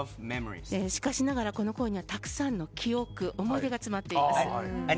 しかしながら、このコインにはたくさんの記憶思い出が詰まっています。